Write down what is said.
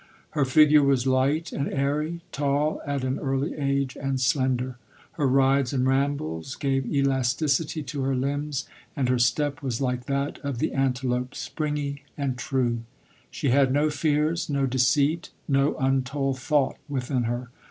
Her figure was light and airy, tall at an early age, and slender. Her rides and rambles gave elasticity to her limbs, and her step was like that of the antelope, spring) and true. She had no fears, no deceit, no un told thought within her.